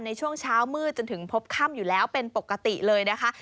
ในช่วงเช้ามืดจนถึงพบค่ำอยู่แล้วเป็นปกติเลยนะคะ